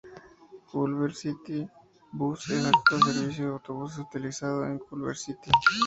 Culver City Bus es el actual servicio de autobuses utilizado en Culver City.